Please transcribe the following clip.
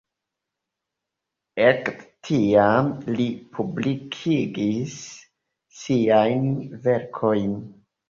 Ekde tiam li publikigis siajn verkojn.